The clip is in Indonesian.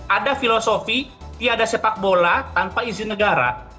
ada filosofi dia ada sepak bola tanpa izin negara